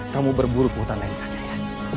kamu berburu ke hutan lain saja ya